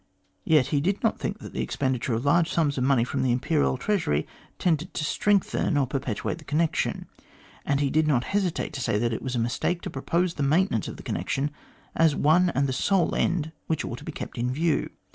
Yet he did not think that the expenditure of large sums from the Imperial Treasury tended to strengthen or perpetuate the connection, and he did not hesitate to say that it was a mistake to propose the maintenance of the connection as the one and the sole end which ought to be kept in view.